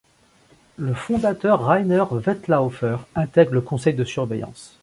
Le fondateur Reiner Wettlaufer intègre le Conseil de surveillance.